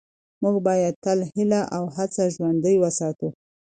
موږ باید تل هیله او هڅه ژوندۍ وساتو